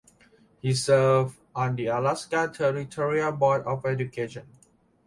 He served on the Alaska Territorial Board of Education.